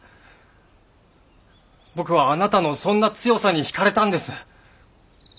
僕はあなたのそんな強さに引かれたんです。